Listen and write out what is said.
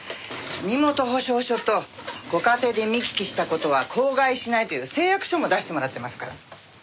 身元保証書とご家庭で見聞きした事は口外しないという誓約書も出してもらってますから。